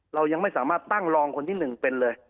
เรายังไม่สามารถตั้งรองคนที่๑เป็นเลย